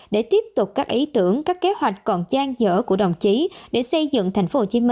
để tiếp tục các ý tưởng các kế hoạch còn giang dở của đồng chí để xây dựng tp hcm